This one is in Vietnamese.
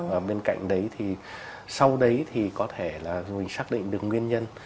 và bên cạnh đấy thì sau đấy thì có thể là mình xác định được nguyên nhân